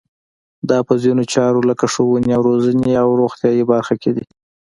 دا په ځینو چارو لکه ښوونې او روزنې او روغتیایي برخه کې دي.